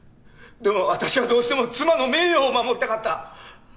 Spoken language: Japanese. でも私はどうしても妻の名誉を守りたかった！